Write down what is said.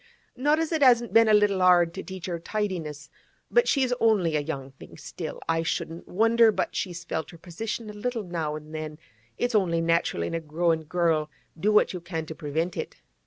'Not as it hasn't been a little 'ard to teach her tidiness, but she's only a young thing still. I shouldn't wonder but she's felt her position a little now an' then; it's only natural in a growin' girl, do what you can to prevent it.